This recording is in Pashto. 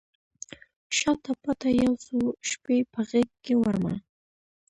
شاته پاته یو څو شپې په غیږکې وړمه